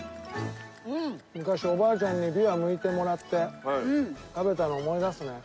昔おばあちゃんにびわむいてもらって食べたの思い出すね。